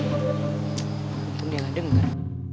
tsk untung dia gak denger